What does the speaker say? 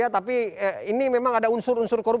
tapi ini memang ada unsur unsur